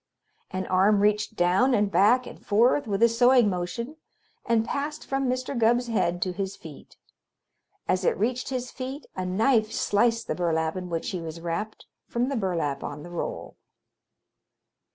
An arm reached down and back and forth, with a sewing motion, and passed from Mr. Gubb's head to his feet. As it reached his feet a knife sliced the burlap in which he was wrapped from the burlap on the roll.